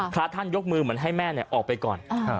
พระท่านยกมือเหมือนให้แม่ออกไปก่อน